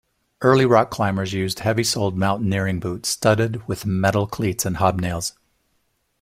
Early rock climbers used heavy-soled mountaineering boots studded with metal cleats and hobnails.